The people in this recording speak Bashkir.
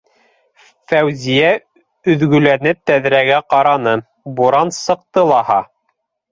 - Фәүзиә өҙгәләнеп тәҙрәгә ҡараны, - буран сыҡты лаһа!